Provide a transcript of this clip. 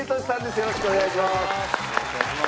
よろしくお願いします。